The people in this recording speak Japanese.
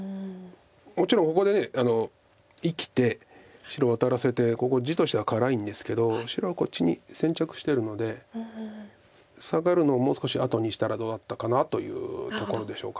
もちろんここで生きて白ワタらせてここ地としては辛いんですけど白はこっちに先着してるのでサガるのをもう少し後にしたらどうだったかなというところでしょうか。